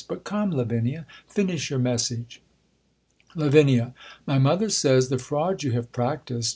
But, come, Lavinia, fin ish your message. Lav* My mother says, the fraud you have practised